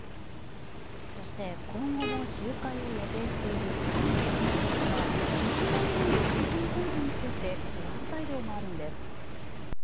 そして今後も集会を予定しているトランプ氏なんですが１年度の中間選挙について不安材料もあるんです。